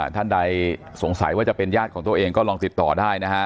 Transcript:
ท่านใดสงสัยว่าจะเป็นญาติของตัวเองก็ลองติดต่อได้นะฮะ